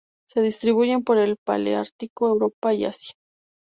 Se distribuyen por el paleártico: Europa y Asia.